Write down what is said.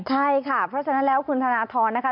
ใช่ค่ะเพราะฉะนั้นแล้วคุณธนทรนะคะ